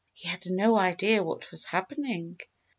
He had no idea what was happening.